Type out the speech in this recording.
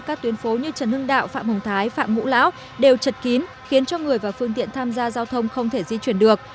các tuyến phố như trần hưng đạo phạm hồng thái phạm ngũ lão đều chật kín khiến cho người và phương tiện tham gia giao thông không thể di chuyển được